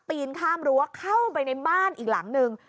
ปีนข้ามรั้วเข้าไปในบ้านอีกหลังนึง